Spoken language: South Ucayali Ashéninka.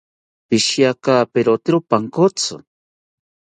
Pishirikaperotero pankotzi